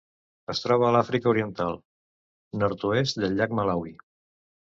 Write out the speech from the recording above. Es troba a l’Àfrica Oriental: nord-oest del llac Malawi.